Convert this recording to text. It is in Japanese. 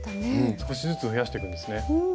少しずつ増やしてくんですね。